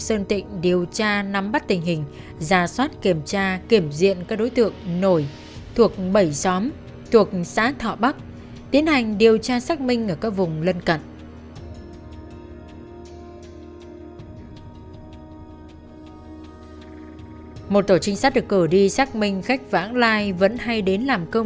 xin chào và hẹn gặp lại các bạn trong những video tiếp theo